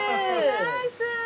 ナイス！